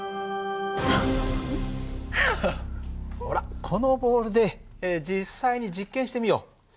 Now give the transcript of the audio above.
ほらこのボールで実際に実験してみよう。